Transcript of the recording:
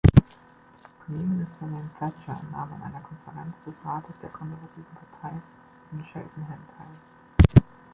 Premierministerin Thatcher nahm an einer Konferenz des Rates der Konservativen Partei in Cheltenham teil.